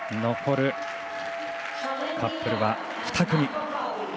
残るカップルは２組。